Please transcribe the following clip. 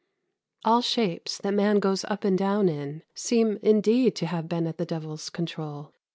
] "All shapes that man goes up and down in" seem indeed to have been at the devils' control.